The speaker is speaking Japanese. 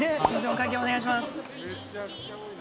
お会計お願いします。